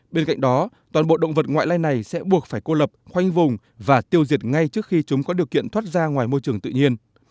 bên cạnh đó toàn bộ động vật ngoại lai này sẽ buộc phải cô lập khoanh vùng và tiêu diệt ngay trước khi chúng có điều kiện thoát ra ngoài môi trường tự nhiên